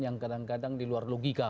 yang kadang kadang di luar logika